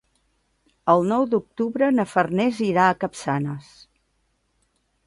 El nou d'octubre na Farners irà a Capçanes.